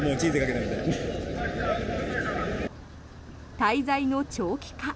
滞在の長期化。